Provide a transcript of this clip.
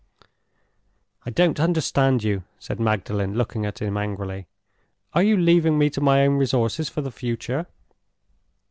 "I don't understand you," said Magdalen, looking at him angrily. "Are you leaving me to my own resources for the future?"